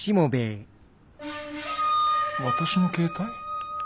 私の携帯？